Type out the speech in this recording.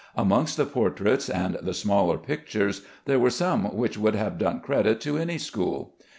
Amongst the portraits and the smaller pictures there were some which would have done credit to any school.